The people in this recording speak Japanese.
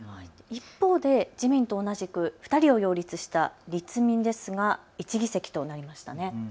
一方で自民と同じく２人を擁立した立民ですが１議席となりましたね。